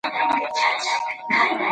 د مور شيدې ماشوم او مور دواړو ته ګټه لري